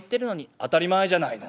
「当たり前じゃないの。